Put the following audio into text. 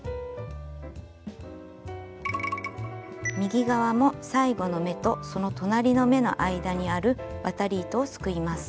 右側も最後の目とその隣の目の間にある渡り糸をすくいます。